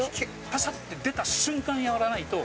パサって出た瞬間やらないと。